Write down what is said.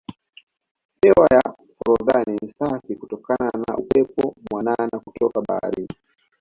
hewa ya forodhani ni safi kutokana na upepo mwanana kutoka baharini